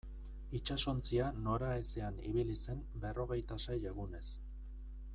Itsasontzia noraezean ibili zen berrogeita sei egunez.